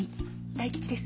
大吉です。